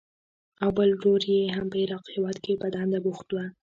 او بل ورور یې هم په عراق هېواد کې په دنده بوخت و.